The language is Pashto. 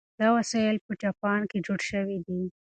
دا وسایل په جاپان کې جوړ شوي دي.